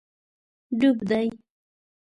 ډوب دی